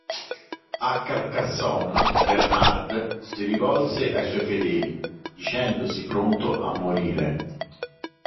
A Carcassonne, Bernard si rivolse ai suoi fedeli, dicendosi pronto a morire.